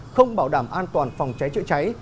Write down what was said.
không bảo đảm an toàn phòng cháy chữa cháy